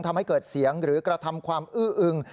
ทำให้เกิดเสียงหรือกระทำความอื้ออึง